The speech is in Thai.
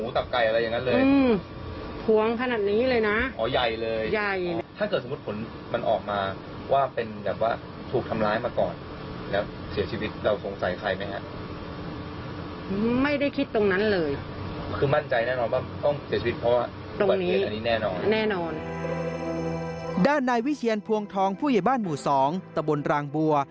ด้านนายวิเชียนภวงทองผู้ใหญ่บ้านหมู่๒ตะบนรางบัว